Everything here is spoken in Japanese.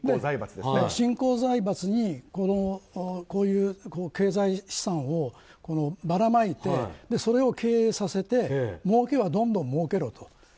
新興財閥にこういう経済資産をばらまいてそれを経営させてもうけはどんどんもうけろと。